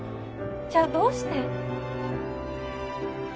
じゃあどうして？